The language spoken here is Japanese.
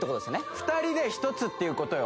２人で１つっていうことよ